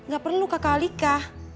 gak perlu kakak alika